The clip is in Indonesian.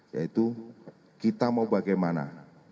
yaitu kita mau bagaimana